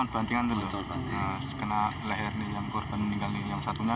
kepada taufan pulung sunggoro yogyakarta